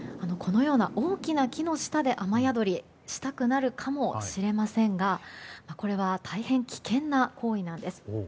大きな木の下で雨宿りをしたくなるかもしれませんがこれは大変危険な行為です。